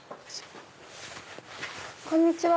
こんにちは。